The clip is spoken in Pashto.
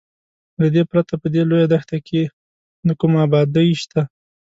له دې پرته په دې لویه دښته کې نه کومه ابادي شته.